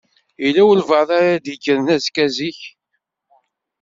Yella walebɛaḍ ara d-yekkren azekka zik?